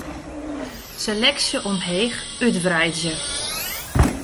Seleksje omheech útwreidzje.